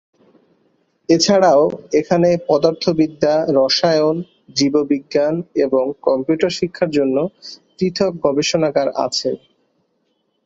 এছাড়াও এখানে পদার্থবিদ্যা, রসায়ন, জীববিজ্ঞান এবং কম্পিউটার শিক্ষার জন্য পৃথক গবেষণাগার আছে।